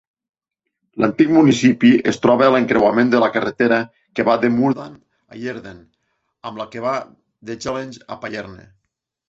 L'antic municipi es troba a l'encreuament de la carretera que va de Moudon a Yverdon amb la que va d'Echallens a Payerne.